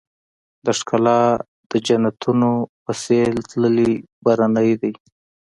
د ښــــــــکلا د جنــــــتونو په ســـــــېل تللـــــــی برنی دی